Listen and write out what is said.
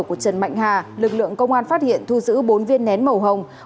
của trần mạnh hà lực lượng công an phát hiện thu giữ bốn viên nén màu hồng